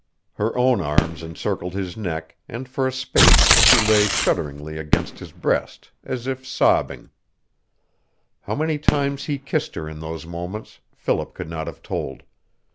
Her own arms encircled his neck, and for a space she lay shudderingly against his breast, as if sobbing. How many times he kissed her in those moments Philip could not have told.